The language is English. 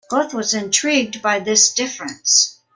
Goethe was intrigued by this difference.